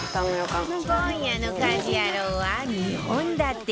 今夜の『家事ヤロウ！！！』は２本立て